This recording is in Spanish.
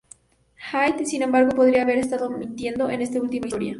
Hyde, sin embargo, podría haber estado mintiendo en este última historia.